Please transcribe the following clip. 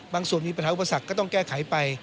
ส่วนมีปัญหาอุปสรรคก็ต้องแก้ไขไป